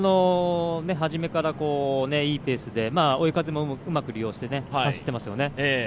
始めからいいペースで追い風もうまく利用して走っていますよね。